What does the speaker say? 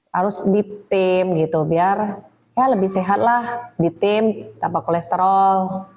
harus ditim gitu biar lebih sehat lah ditim tanpa kolesterol